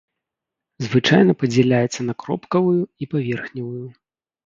Звычайна падзяляецца на кропкавую і паверхневую.